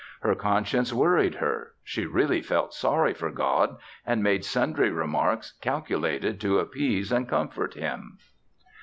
Her conscience worried her. She really felt sorry for God and made sundry remarks calculated to appease and comfort Him.